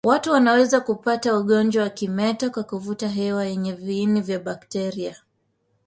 Watu wanaweza kupata ugonjwa wa kimeta kwa kuvuta hewa yenye viini vya bakteria